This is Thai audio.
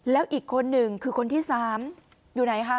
แล้วอีกคนหนึ่งคือคนที่๓อยู่ไหนคะ